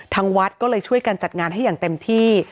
ทางวัดก็เลยช่วยกันจัดงานให้อย่างเต็มที่